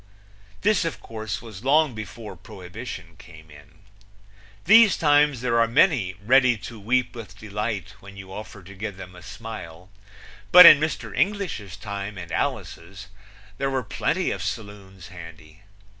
This of course was long before Prohibition came in. These times there are many ready to weep with delight when you offer to give them a smile; but in Mr. English's time and Alice's there were plenty of saloons handy.